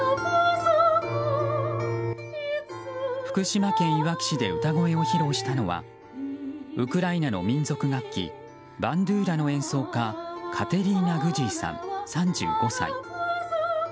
福島県いわき市で歌声を披露したのはウクライナの民族楽器バンドゥーラの演奏家カテリーナ・グジーさん、３５歳。